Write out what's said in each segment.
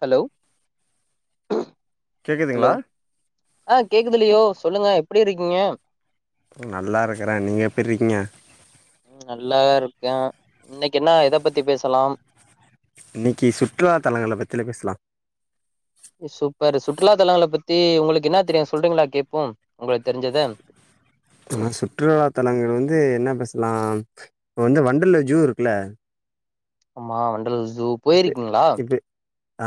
Hello hello கேக்குதுங்களா ஆ கேக்குது லியோ சொல்லுங்க எப்பிடி இருக்கீங்க நல்லா இருக்கறே நீங்க எப்பிறிக்கீங்க ம் நல்லா [unintelligible] இன்னைக்கு என்ன எத பத்தி பேசலாம் இன்னிக்கு சுற்றுலா தலங்களள பத்தில பேசலா சூப்பர் சுற்றுலா தலங்கள பத்தி உங்களுக் என்ன தெரியு சொல்றீங்களா கேப்போம் உங்களுக்கு தெரிஞ்சது நா சுற்றுலா தலங்கள்ந்து என்ன பேசலாம் இப்போ வந்து வண்டலு ஜூ இருக்குல்ல ஆமா வண்டல் ஜூ ஜூ இப்ப போயிருக்கீங்களா இப்ப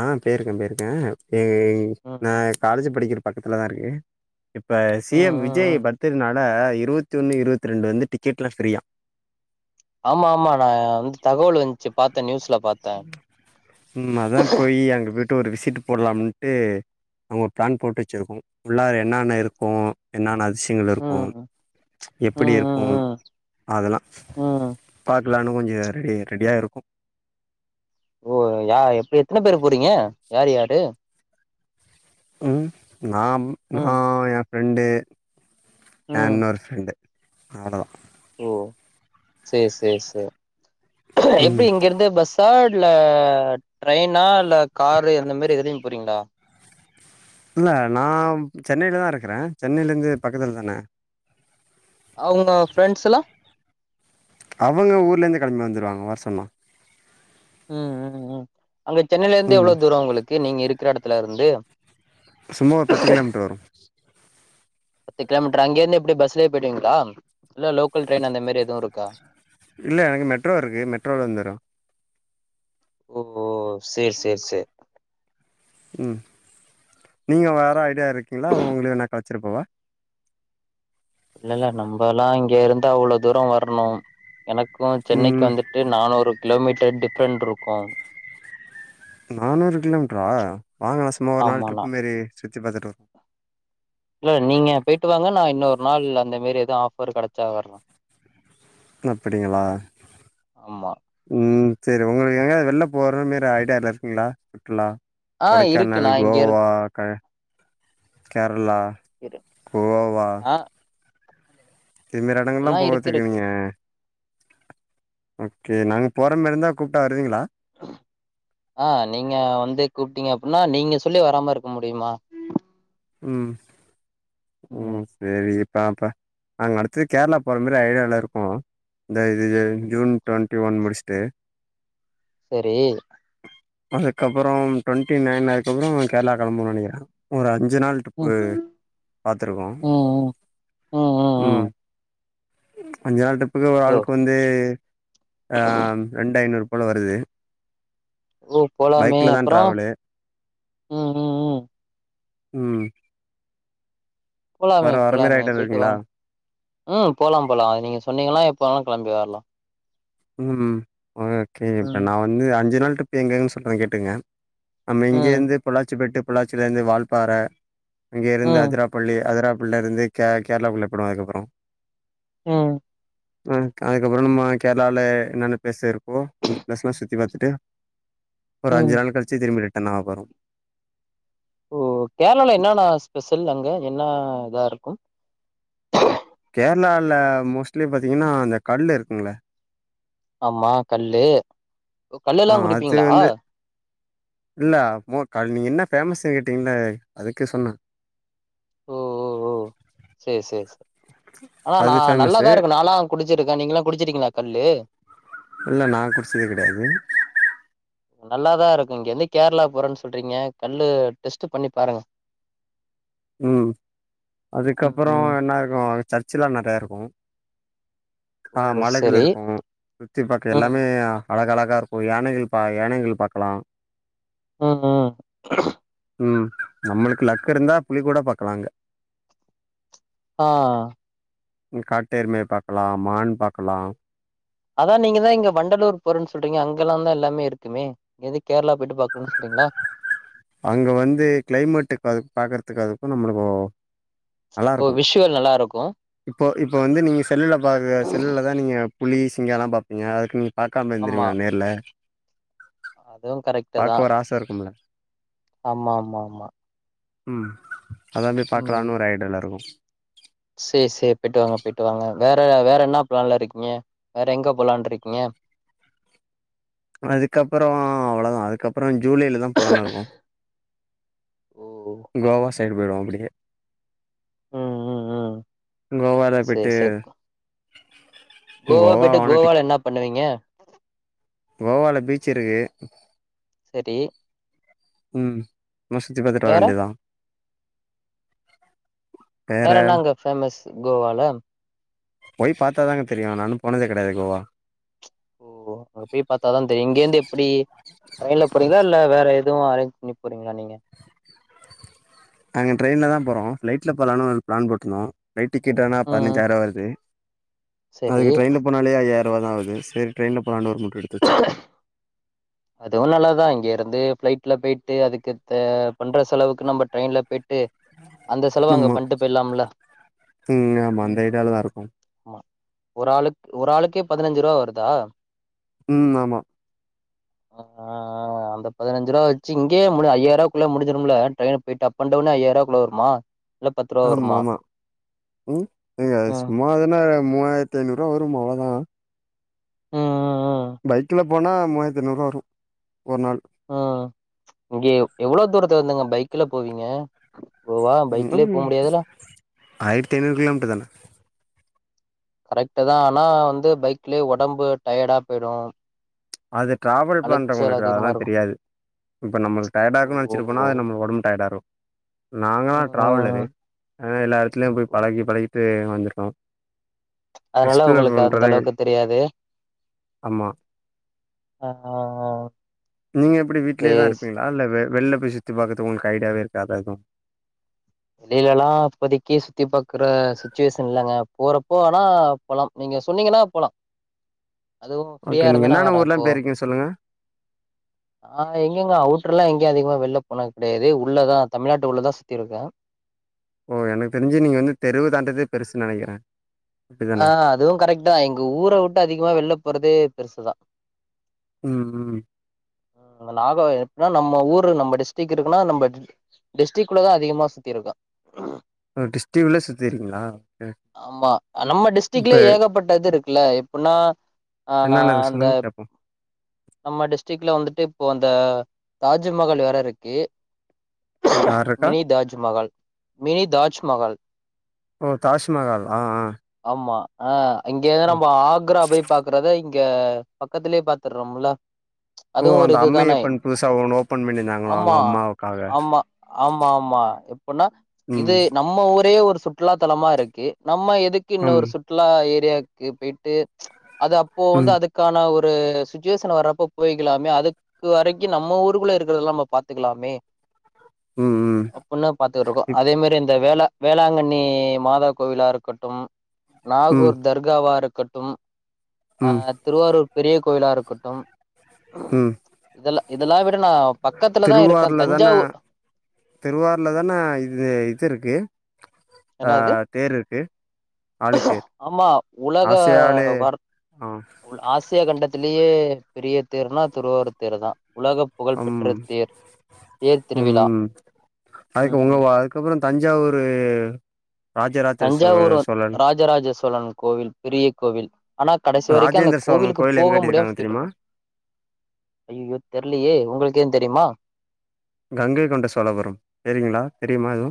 ஆ பேயிருக்கே பேயிருக்கே ஏ நா ம் காலேஜ் படிக்கிறப் பக்கத்துத்திலதா இருக்கு இப்ப ம் சி ம் எம் ம் விஜய் ம் பத்திர நாள் ள இருபத்தி ஒன்னு இருபத்தி ரெண்டு வந்து டிக்கெட்லா ஃபரீயா ஆமா ஆமா நாந்து தகவல் வந்துச்சி பாத்தே நியூஸ்ல பாத்தே ம் அதா போயி் அங்க போட் ட்டு ஒரு விசிட் போடலாம்ட்டு நாங்க ஒ பிளான் போட்டு வச்சிருக்கோ உள்ளார என்னான்ன இருக்கு என்னான்னா அது ஷயங்கள் இருக்கு ம் எப்பிடி ம் ம் இருக்கு ம் அதெல்லா ம் பாத் ப்பிளான் கொஞ்சே ரெடி ரெடியா இருக்கு ஓ யா எப்பிடி எத்தன பேரு போறீங்க யாரு யாரு ம் நா நா ம் ஏ ஃபிரரெண்டு ஆ ம் இனொரு ஃப்ரெண்டு ஆடதா ஓ சேரி சேரி சேரி எப்டி ம் இங்கிருந்து பஸ்ஸா இல்ல ட்ரைன்னா இல்ல காரு இந்த மாரி எதுலயு போறீங்களா இல்ல நா சென்னையிலதா இருக்கறே சென்னையில இருந்து பக்கத்துல தானே அவங்க ஃப்ரெண்ட்ஸ் எல்லா அவங்க ஊர்லருந்து களம்பி வந்துருவாங்க வர சொன்னா உ உ உ அங்க சென்னையில இருந்து ம் எவ்ளோ தூரோ அவங்களுக்கு நீங்க இருக்க எடத் த்துல இருந்து சும்மா ஒரு பத்து கிலோமீட்டர் வரு பத்து கிலோமீட்டர் அங்க இருந்து எப்டி பஸ்லே போயிட்டீங்களா இல்ல லோக்கல் ட்ரெயின் அந்த மாரிஎதுவு இருக்கா இல்ல எனக்கு மெட்ரோ இருக்கு மெட்ரோல வந்துரு ஓ ஓ சரி சரி சரி உ நீங்க வர ஐடியா இருக்கீங்களா உங்களயு வேணா அழைச்சுட்டு போகவா இல்ல இல்ல நம்ம எல்லா இங்க இருந்து அவ்ளோ தூரோ வரணு எனக்கு சென்னைக்கு ம் வந்துட்டு நானூறு கிலோமீட்டர் டிஃப்ரெண்ட் இருக்கு நானூறு கிலோமீட்டரா வாங்கலே சும்மா ஒரு நாலு ஆமாண்ணா ட்ரிப்பு மாறி சுத்தி பாத்துட்டு [inaudible] ட்டுவாங்க நா இன்னொரு நாள் அந்த மாரி எது ஆஃபர் கிடைச்சா வறே அப்படிங்களா ஆமா உ சரி உங்களுக்கு எங்கயாவது வெளில போகிற மாரி ஐடியாலா இருக்குதுங்களா சுற்றுலா ஆ இருக்கு கொடைக்கானல் நா இங்க இருக் கோவா கேர்ளா இரு கோவா ஆ இதுமரி எடங்கள்லா அதெல்லா இருக்கு இருக்கு போவச்சுகங்க ஓகே நாங்க போற மாரி இருந்தா கூப்பிட்டா வருவீங்களா ஆ நீங்க வந்து கூப்பிட்டீங்க அப்டின்னா நீங்க சொல்லி வராமா இருக்க முடியுமா உ உ ம் சேரி ஆ அப்ப நாங்க அடுத்தது கேரளா போற மாரி ஐடியால இருக்கோ இந்த இது ஜூன் ட்வெண்ட்டி ஒன் முடிச்சுட்டு சேரி அதுக்கப்புறோ டுவெண்டி நைனு அப்பறோ கேர்ளா கிளம்பணு நைனக்கிறே ஊராரு ஞ்னால் ம் ட்ரிப்பு ம் பாத்துருக்கோ ம் ம் ம் உ ம் அஞ்சு நாள் ட்ரிப் [unintelligible] ஒரு ஓ ஆளுக்கு வந்து ஆ ரெண்டுஐநூறு போல வருது ஓ போலாமே பைக்ல தா அப்பறோ டிராவலு உ உ உ உ போலாமே போலாமே ஐடியால போயிட்டு இருக்கீங்களா வாங்க உ போலா போலா அது நீங்க சொன்னீங்கா எப்போ வேனா கிளம்பி வரலா உ ஒ கே இப்ப ம் நா வந்து அஞ்சு நாள் ட்ரிப் எங்கன்னு சொல்றே கேட்டுக்குங்க நம்ம ம் இங்கருந்தே பொள்ளாச்சி போய்ட்டு பொள்ளாச்சிலேர்ந்து வாழ்ப்பார அங்கிருந்து ம் அதுராப்பள்ளி அதுரா ள்ள இருந்து கே கேரளாக்குள்ள போயிடுவே அதுக்கப்புறோ உ அ அதுக்கப்புறோ நம்ம கேரளாவ்லே என்னென்ன பிளேஸ் இருக்கோ அந்த பிளேஸ்லா சுத்தி பாத்துட்டு ஒரு ம் அஞ்சு நாள் கழிச்சி திரும்மிரே என்னாபரு ஓ கேர்ளாள என்னன்னா ஸ்பெஷ் செல்லங்க என்ன இதா இருக்கு கேரளால மோஸ்ட்லி பாத்தீங்கன்னா இந்த கல் இருக்குங்கள ஆமா கல்லு கல்ல அ எல்லா அது குடிப்பீங்களா வந்து இல்ல மோ கலை நீங்க என்ன ஃபேமஸ்ஸு கேட்டீங்கள்ள அதுக்கு சொன்னே ஓ ஓ சரி சரி சார் ஆனா நா அது ஃபேமஸு. நல்லாதா இருக்கு நாலா குடிச்சிருக்கே நீங்கல்லா குடிச்சிருங்கீங்களா கல்லு இல்ல நா குடுசது கடையாது நல்லாதா இருக்கு இங்க வந்து கேரளா போறேன்னு சொல்றீங்க கல்லு டெஸ்ட் பண்ணி பாருங்க உ ம் அதுக்கப்புறோ ம் என்ன இருக்கு சர்ச்ல நறையா இருக்கு ஓ ஆ மலைகள் சரி இருக்கு சுத்தக பாக்க ம் எல்லாமே அழக அழகாக இருக்கு யானைகள் பா யானைகள் பாக்கலா உ உ உ நம்மளுக்கு லக் இருந்தா புலி கூட பாக்கலாங்க ஆ உ காட்டருமய பாக்க லா மான் பாக்கலா அதா நீங்கதா இங்க வண்டலூர் போறன்னு சொல்றீங்க அங்கல்லா தா எல்லாமே இருக்குமே எதுக்கு கேரளா வீட்டு பாக்கறும்னு சொரிங்களா அங்க வந்து கிளைமேட்டுக்கு அது பாக்குறதுக்க அதுக்கு நம்மளுக்கு நல்லா ஓ இருக்கு விஷுவல் நல்லா இருக்கு இப்போ இப்போ வந்து நீங்க செல்லுல பா செல்லுல தா நீங்க புலி சிங்கம் லா பாப்பீங்க அதுக்குனு பாக்காம ஆமா இருந்துருவிங்கண்ணா நேர்ல அதுவு கரெக்டு தா பாக்க ஒரு ஆச இருக்கும்ல ஆமா ஆமா ஆமா உ அதா அப்டியே ம் பாக்கலாம்னு ஒரு ரைடு டுரு சேரி சேரி போயிட்டு வாங்க போயிட்டு வாங்க வேற வேற என்ன ப்ளான்ல இருக்கீங்க வேற எங்க போலாண்ட் இருக்கீங்க ந அதுக்கப்புறோ அவ்ளதா அதுக்கப்புறோ ஜூலைல தா போலானு இருக்கோ ஓ கோவாஸை சைடு போய்டோ அப்படியே ம் ம் ம் கோவால சேரி பெய்ட்டு சேரி கோவா போய்ட்டு கோவால என்ன பண்ணுவீங்க அரி கோவால பீச் இருக்கு சரி உ சுத்தி பத்துட்டு வேற வரவேண்டிதா [inaudible] வேற என்ன அங்க பேஃமஸ் கோவால போய் பாத்தாதாங்க தெரியு நானு போனதே கடையாது கோவா ஓ அங்க போயி பாத்தாதா தெரியு இங்கேந்து எப்பிடி டெயின்ல போரிங்லா இல்ல வேற துவு ஆரேஞ்சி பண்ணி போ அங்க ட்ரெயில தா போறோ பிளைட்ல போலானு ஒரு பிளான் போட்ந்தோ ஃப்ளைட் டிக்கெட்னா ம் பதினஞ்சாயிரா வருது சரி அதுக்கு ட்ரெயின்ல போனாலே ஐய்யாரோ ரோவாதா ஆவுது சேரி ட்ரெயலில போலாண்ட் ஒரு [unintelligible] தச்ச அதுவு நல்லாதா இங்க இருந்து பிளைட்ல போயிட்டு அதுக்குத்த பண்ற செலவுக்கு நம்ம ட்ரெயின்ல பேயிட்டு நம்மா ம் நம்மந்த ம் ஐடாலதா இருக்கோ ஆமா ஒரு ஆளுக்கு ஒரு ஆளுக்கே பதினஞ்சு ரூவா வருதா ம் ஆமா ஆஹ அந்த பதிஞ்சரூவா வச்சி இங்கே மு ஐயயிர ரூவாக்குள்ள முஞ்சுரும்ல்ல ட்ரெயினல போயிட்டா அப் அன்டவுன் அயியாரூவாக்குள்ள வருமா இல்ல பத்து ரூவா ஆமா வருமா ஆமா உம் இங்க ம் சும்மாதானா மூவாயிரத்தி ஐநூறுரூவா வரும் அவ்ளோ தா ம் ம் பைக்கில போனா மூவாயரத்தி ஐநூறுவா வரும் ஒரு நாள் ஆ இங்கே எவ்ளோ தூரத்துந்துங்க பைக்ல போவீங்க கோவா பைக்லயே ம் போ முடியாதுல்ல ஆயிரத்தி ஐநூறு கிலோமீட்டர் தான கரெக்ட் தா ஆனா வந்து பைக்லே ஒடம்பு டயாடா போயிடு அது ட்ராவல் அலைச்சல் பண்றவுங்களுக்கு அதெல்லா அதிகமா இருக்கு தெரியாது இப்ப நம்ம டயடா ஓ இருக்குன்னு நெனச்சிட்டு போனா அது நம்ம ஒடம்பு டயடாகு நாங்கல்லா ம் டிரவலரு ம் ஆ எல்லா இடத்துலயு போய் ம் பழகி பழகி தே வந்துருக்கோ அதனால எக்ஸ்ப்ளோர் உங்களுக்கு அந்த பண்றதா அளவுக்கு தெரியாது ஆமா. ஆ ஆ ஆ நீங்க எப்பிடி வீட்லயேதா சேரி இருப்பீங்களா இல்ல வெ வெள்ள போய் சுத்தி பாக்கறது உங்களுக்கு ஐடியாவே இருக்காது எது டில்லானா இப்போதக்கி சுத்தி பாக்குற சுச்சுவேஷன் இல்லங்க போறப்போ ஆனா போலாம் நீங்க சொன்னீங்கன்னா போலா அதுவு ஃப்ரீயா ஓகே நீங்க இருந்தானா என்னான்ன வரே ஊர்லா இப்போ போயிருக்கீங்க சொல்லுங்க? ஆ எங்கெங்க அவுட் ட்ருல்லா எங்கயே அதிகமா வெளில போன கிடையாது உள்ளதா தமிழ்நாட்டு உள்ளதா சுத்தி இருக்கே ஓ எனக்கு தெரிஞ்சி நீங்க வந்து தெருவு தாண்டறதே பெருசுன்னு நெனைக்கிறே ஆ அப்டிதான? அதுவு கரெக்ட் தா எங்க ஊரவுட்டு அதிகமா வெள்ல போறது பெருசுதா ம் ம் நாக எப்பின்னா நம்ம ஊர் நம்ம டிஸ்ட்ரிக் இருக்குனா நம்ம டிஸ்டரிகுள்ளதா அதிகமா சுத்தி இருக்கா ஒ டிஸ்டீவ்ல சுத்தி இருக்கிங்களா ஆமா நம்ம டிஸ்டிக்லே ஏகப்பட்டது இருக்குல்ல உன்னா ஆ என்னென்ன இருக்கு சொல்லுங்க அந்தப் கேப்போ. நம்ம டிஸ்டிக்ல வந்துட்டு இப்போ அந்த தாஜ்மஹல் வேற இருக்கு யார் இருக்கா? மினி தாஜ் மஹால் மினி தாஜ் மஹால் ஒ தாஜ்மஹால் ஆ ஆ ஆமா ஆ அங்கே ஆ. நம்ப ஆக்ரா போய் பாக்குறது இங் க பக்கத்துலே பாத்துட் ரொம்ல ஓ அதும் ஒரு அந்த இதுதானே அம்மையப்பன் புதுசா ஒண்ணு ஓப்பன் பண்ணிருந்தாங்களா ஆமா அவங்க அம்மாவுக்காக. ஆமா ஆமா ஆமா எப்பனா இது ம். நம்ம ஊரே ஒரு சுற்றுலா தலமா இருக்கு நம்ம எதுக்கு ம். இன்னொரு சுற்றுலா ஏரியாக் க்கு போய்ட்டு அது அப்போ ம் வந்து அதுக்கான ஒரு ப்ரே சுத் டூயுஷன் வறப்ப போயிக்கிலாமே அதுக்கு வரக்கி நம்ம ஊருகுள்ள இருக்கறதல்லா நம்ம பாத்துகிலாமே ம் ம் அப்புன்னா பாத்துட்ருக்கோ இப் அதே மரி அந்த வேல வேளாங்கண்ணி மாதா கோவிலா இருக்கட்டும் ம் நாகூர் தர்காவா இருக் கட்டும் அ ம் திருவாரூர் பெரிய கோயிலா இருக்கட் தோம் ம் இதல்ல இதெலா விட் திருவார்ல தானே திருவார்ல தானே இது இது இருக்கு ஆ என்னாது தேர் இருக்கு ஆழித்தேர் ஆமா உலக ஆசியாலே வர்த் ஆ ஆசிய இப்ப கண்டத்திலே பெரிய தேர்னா திருவாரூ தேர் தா உலக அம் புகழ்பெற்ற தேர் தேர் ம் திருவிழா ம் அதுக்கு உங்க ம் அதுகப்பற தஞ்சாவூரு ராஜராஜ சோ தஞ்சாவூர் சோழன் ராஜராஜ சோழன் கோவில் பெரிய கோவில் ஆனா கடைசி வரைக்கு அந்த ராஜேந்திர சோழன் கோவிலுகு கோயில் எங்க போக முடியாம கட்டியிருக்காங்க தெரியுமா சுத்திட்ருந்தே ஐயயோ தெரிலயே உங்களுக்கு ந் தெரியுமா கங்கை கொண்ட சோழபுரோ தேரிங்ளா தெரியுமா எது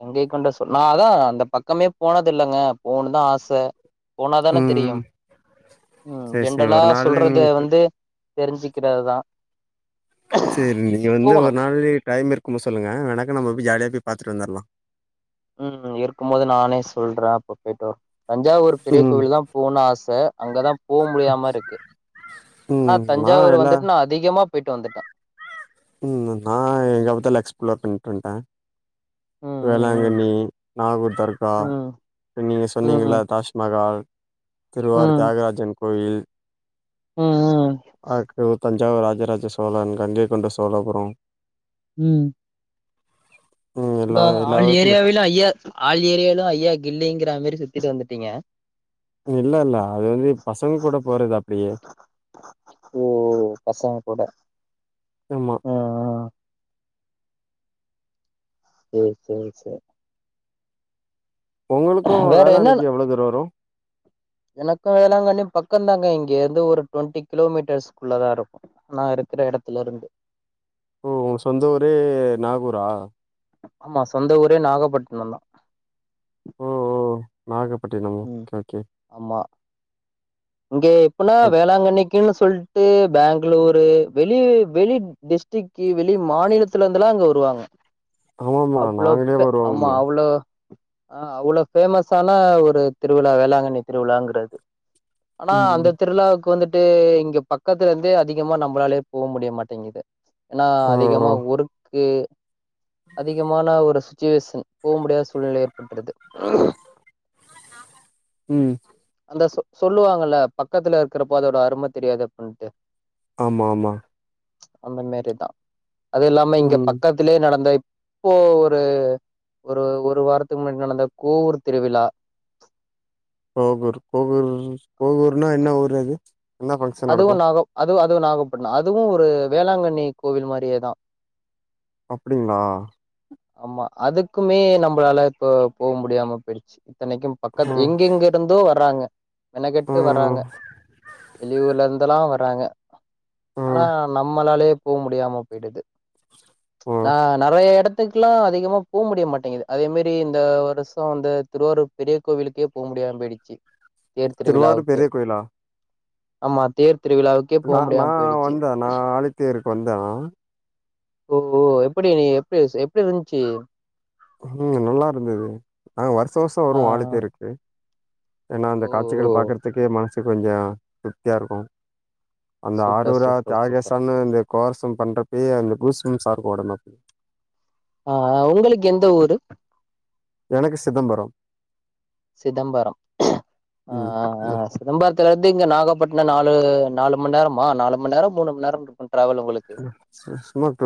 கங்கே கொண்ட சொ நா அதா அந்த பக்கமே போனதுல்லங்க போணு தா ஆச போனாதானே தெரியு ம் உ சேரி சேரி ஜென்ரலா ஒரு நாளு நீ சொல்றது வந்து தெரிஞ்சுக்கிறது தா சேரி நீங்க வந்து ஒரு நாள் டைம் இருக்குமோ சொல்லுங்க எனக்க நம்ம போய் ஜாலியா போய் பா த்துட்வந்தர்ல்லா உ இருக்கும் போது நானே சொல்றே அப்ப போயிட்டோர் தஞ்சாவூர் பெரிய ம் கோவில்ல தா போகன்னு ஆச அங்கதா போக முடியாம இருக்கு ஆனா ம் நா தஞ்சாவூர் எல்லா வந்துட்டு நா அதிகமா போயிட்டு வந்துட்டா உ நான் எங்கபத்தல எக்ஸ்ப்ளோர் பண்ணிட் ம் [unintelligible] ம் வேளாங்கண்ணி நாகூர் தர்கா ம் நீங்க சொன்னீங்கள ம் தாஜ்மஹால் திருவார் ம் தியாகராஜன் கோயில் ம் [unintelligible] தஞ்சாவூ ராஜராஜ சோழன் கங்கை கொண்ட சோ சோழப்புறோ உ ம் எல்லா இந்தா எல்லா ஆள் ஊருக்கு போய்ட்டே ஏரியாவிலு ஐயா ஆள் ஏரியாவாலிலு ஐயா கில்லிங்கிற மாரி சுத்திட்டு வந்துட்டு ட்டீங்க இல்ல இல்ல அது வந்து பசங்க கூட போறது அப்டியே ஓ பசங்க கூட ஆமா ம் ம் சேரி சேரி சேரி உங்களுக்கு வேற என்னன்ன வேளாம்கன்னிக்கு எவ்ளோ தூரோ வரு எனக்கு வேளாங்கண்ணி பக்கம்தாங்க இங்க இருந்து ஒரு டுவெண்டி கிலோமீட்டர்ஸ்குள்ளதா இருக்கு நா இருக்கிற எடத்துல இருந்து ஓ சொந்த ஊரே நாகூர்ரா ஆமா சொந்த ஊரே நாகப்பட்டினம் தா ஓ ஓ நாகப்ப உ ஆமா இங்கே எப்பினா அப் வேளாங்கண்ணிக்கு இங்கன்னு சொல்லிட்டு பேங்களூரு வெளி வெளி டிஸ்டிக் வெளி மாநிலத்துல இருந்துல்லா இங்க வருவாங்க ஆமாம்மா அவ்ளோ நாங்களே ஃபே ஆமா வருவோம்ல அவ்ளோ ஆ அவ்ளோ ஃபேமஸான ஒரு திருவிழா வேளாங்கண்ணி திருவிழாங்கிறது ஆனா ம் அந்த திருவிழாவுக்கு வந்து ட்டு இங்க பக்கத்துல இருந்தே அதிகமா நம்மளாலயே போக முடிய மாட்டேங்குது ஏன்னா ஓ ஓ! அதிகமாக ஒர்க்கு அதிகமான ஒரு சுச்சுவேஷன் போக முடியாத சூழ்நிலை ஏற்பட்டுருது ம் இந்த சொ சொல்லுவாங்கல்ல பக்கத்துல இருக்குறப்போ அதோட அருமை தெரியாது அப்டின்னுட்டு ஆமா ஆமா அந்த மாரிதா அது இல்லாம இங்க ம் பக்கத்திலேயே நடந்தா எ இப்போ ஒரு ஒரு ஒரு வாரத்துக்கு முன்னாடி நடந்த கோவூர் திருவிழா கோவூர் கோவூர் கோவூர்னா என்ன ஊ ரு அது என்ன ஃபங்க்ஷன் நடக்கு வு அதுவு நாகப்பட்னோ அதுவு ஒரு வேளாங்கண்ணி கோவில் மாரியேதா அப்டிங்களா ஆமா அதுக்குமே நம்பளால இப்போ போக முடியாம போயிருச்சு இத்தனைக்கும் பக்கத் ஆ எங்கெங்க இருந்தோ வர்றாங்க ஆ மெனக்கெட்டு வராங்க வெளியூர்ல இருந்தெல்லா வராங்க ஆ ஆனா நம்மலாலயே போக முடியாம போயி்டுது ஆ நா நெறைய எடத் துக்கெல்லா அதிகமா போமுடிய மாட்டேங்குது அதே மாரி இந்த வருஷோ அந்த திருவாரூர் பெரிய கோவிலுக்கே போக முடியாம போயிடுச்சு தேர் திருவாரூர் திருவிழாவுக்கே பெரிய கோயிலா ஆமா தேர் திருவிழாவுக்கே போ நா நா முடியாம போயிடுச்சு வந்தே நா ஆழித்தேருக்கு வந்தே நா ஓ ஓ எப்படி நீ எப்படி சே எப்டி இருந்துச்சு ம் நல்லா இருந்துது அ வருஷ வருஷ ஆ வருவோ ஆடி தேருக்கு ஏனா அந்த ஓ ஓ காச்சிகள் பாக்குறதுக்கே மனசு கொஞ்சர திருப்தியா இருக்கு அந்த சூப்பர் ஆறுரோரா சூப்பர் சூப்பர் தியாகேசான்னு இந்த கோர்சம் பண்றப்பேய் அந்த பூஸ்ம் சார் வொடம்பு [inaudible] அஅ உங்களுக்கு எந்த ஊரு எனக்கு சிதம்பரம் சிதம்பரம் ம் ஆஆஆ சிதம்பரத்துல இருந்து இங்க நாகப்பட் இன்ன நாலு நாலு மணி நேரமா நாலு மணி நேரம் மூனு மணி நேர இரு சுமா [unintelligible]